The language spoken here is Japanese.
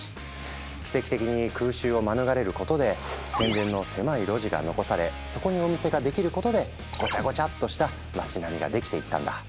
奇跡的に空襲を免れることで戦前の狭い路地が残されそこにお店ができることでごちゃごちゃっとした町並みができていったんだ。